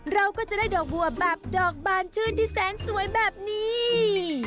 เราก็จะได้ดอกบัวแบบดอกบานชื่นที่แสนสวยแบบนี้